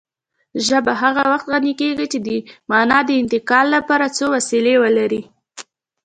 ژبه هغه وخت غني کېږي چې د مانا د انتقال لپاره څو وسیلې ولري